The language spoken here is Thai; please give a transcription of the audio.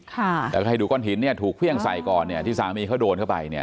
แล้วก็ให้ดูก้อนหินเนี่ยถูกเครื่องใส่ก่อนเนี่ยที่สามีเขาโดนเข้าไปเนี่ย